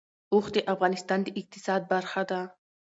اوښ د افغانستان د اقتصاد برخه ده.